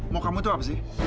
mau kamu itu apa sih